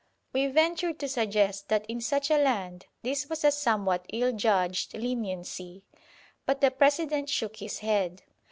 We ventured to suggest that, in such a land, this was a somewhat ill judged leniency. But the President shook his head.